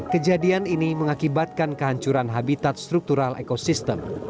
kejadian ini mengakibatkan kehancuran habitat struktural ekosistem